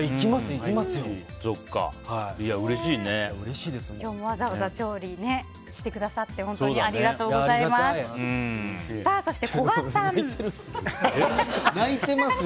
今日はわざわざ調理してくださって本当にありがとうございます。